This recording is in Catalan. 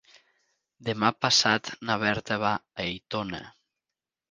Demà passat na Berta va a Aitona.